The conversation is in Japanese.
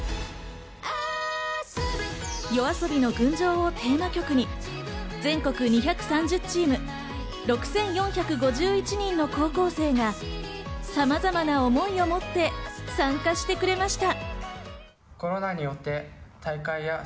ＹＯＡＳＯＢＩの『群青』をテーマ曲に全国２３０チーム、６４５１人の高校生がさまざまな思いを持って参加してくれました。